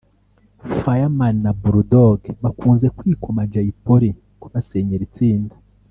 Fireman na Bull Dogg bakunze kwikoma Jay Polly kubasenyera itsinda